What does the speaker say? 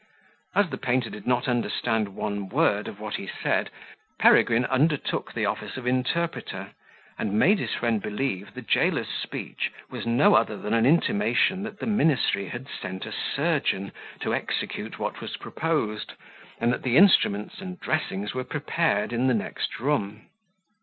As the painter did not understand one word of what he said, Peregrine undertook the office of interpreter, and made his friend believe the jailer's speech was no other than an intimation that the ministry had sent a surgeon to execute what was proposed, and that the instruments and dressings were prepared in the next room.